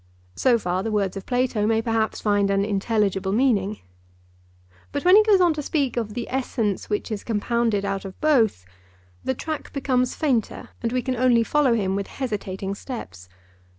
—So far the words of Plato may perhaps find an intelligible meaning. But when he goes on to speak of the Essence which is compounded out of both, the track becomes fainter and we can only follow him with hesitating steps.